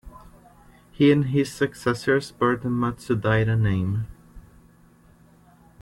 He and his successors bore the Matsudaira name.